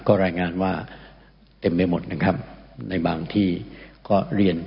ก็รายงานว่าเต็มไปหมดนะครับในบางที่